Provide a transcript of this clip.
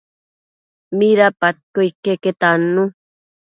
Midapadquio iqueque tannu